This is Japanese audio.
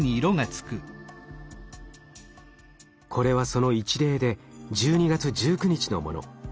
これはその一例で１２月１９日のもの。